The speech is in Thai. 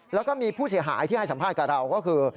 แล้วก็มีผู้เสียหายที่ให้สัมภาษณ์กับเราก็คือ